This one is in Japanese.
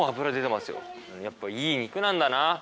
やっぱいい肉なんだな。